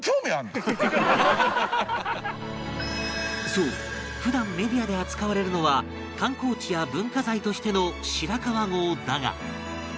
そう普段メディアで扱われるのは観光地や文化財としての白川郷だが